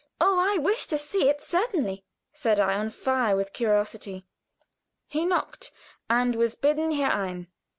"Oh, I wish to see it certainly," said I, on fire with curiosity. He knocked and was bidden _herein!